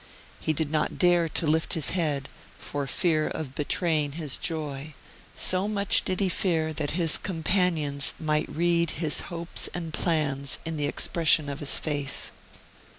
He did not dare to lift his head, for fear of betraying his joy, so much did he fear that his companions might read his hopes and plans in the expression of his face.